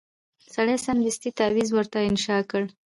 سړي سمدستي تعویذ ورته انشاء کړ